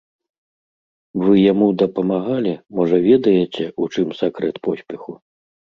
Вы яму дапамагалі, можа, ведаеце, у чым сакрэт поспеху?